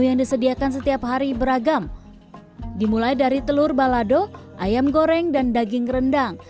yang disediakan setiap hari beragam dimulai dari telur balado ayam goreng dan daging rendang